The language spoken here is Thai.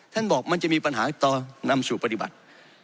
บอกมันจะมีปัญหาต่อนำสู่ปฏิบัติ